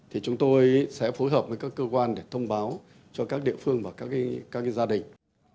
thì chúng tôi sẽ phối hợp với các cơ quan để thông báo cho các địa phương và các gia đình